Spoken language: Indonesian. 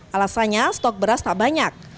alasannya stok beras tak banyak